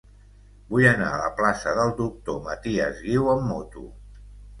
Vull anar a la plaça del Doctor Matias Guiu amb moto.